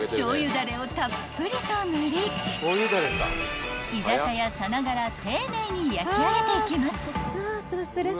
だれをたっぷりと塗り居酒屋さながら丁寧に焼き上げていきます］